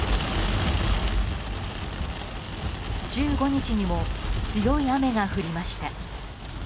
１５日にも強い雨が降りました。